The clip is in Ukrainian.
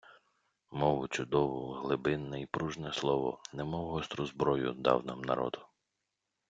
Мову чудову, глибинне і пружне слово, немов гостру зброю, дав нам народ